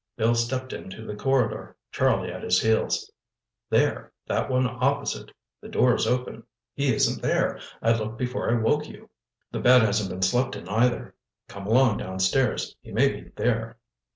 Bill stepped into the corridor, Charlie at his heels. "There—that one opposite—the door's open. He isn't there—I looked before I woke you." "The bed hasn't been slept in either—come along downstairs. He may be there."